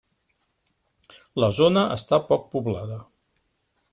La zona està poc poblada.